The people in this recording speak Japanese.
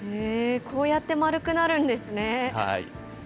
こうやって丸くなるんですね。